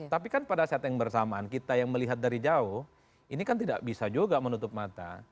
tapi kan pada saat yang bersamaan kita yang melihat dari jauh ini kan tidak bisa juga menutup mata